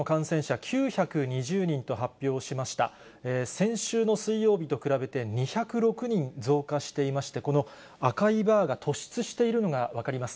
先週の水曜日と比べて２０６人増加していまして、この赤いバーが突出しているのが分かります。